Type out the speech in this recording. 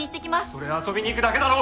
それ遊びに行くだけだろ！